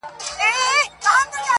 خپه وې چي وړې ، وړې ،وړې د فريادي وې~